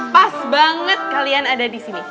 pas banget kalian ada di sini